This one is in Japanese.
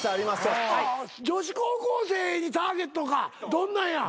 女子高校生にターゲットかどんなんや？